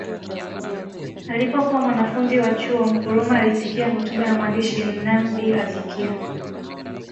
Alipokuwa mwanafunzi wa chuo Nkrumah alisikia hotuba ya mwandishi Nnamdi Azikiwe